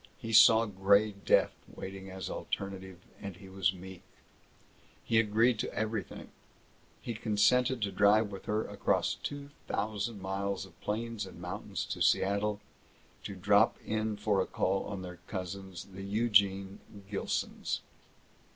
He saw gray death waiting as alternative, and he was meek. He agreed to everything. He consented to drive with her across two thousand miles of plains and mountains to Seattle, to drop in for a call on their cousins, the Eugene Gilsons.